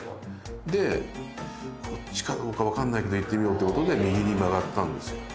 でこっちかどうかわかんないけど行ってみようということで右に曲がったんですよ。